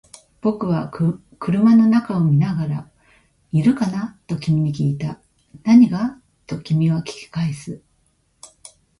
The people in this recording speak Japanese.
僕は車の中を見ながら、いるかな？と君に訊いた。何が？と君は訊き返す。